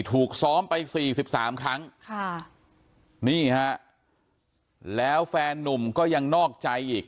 ถูกซ้อมไปสี่สิบสามครั้งค่ะนี่ฮะแล้วแฟนนุ่มก็ยังนอกใจอีก